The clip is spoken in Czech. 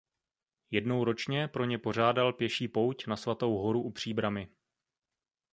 Jednou ročně pro ně pořádal pěší pouť na Svatou Horu u Příbrami.